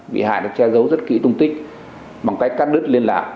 bị hại đã che giấu rất kỹ tung tích bằng cách cắt đứt liên lạc